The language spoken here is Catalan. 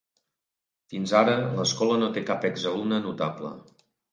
Fins ara, l'escola no té cap exalumne notable.